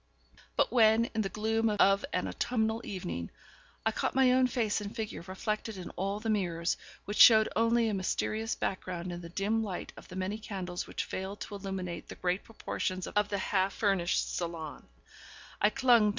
But when, in the gloom of an autumnal evening, I caught my own face and figure reflected in all the mirrors, which showed only a mysterious background in the dim light of the many candles which failed to illuminate the great proportions of the half furnished salon, I clung to M.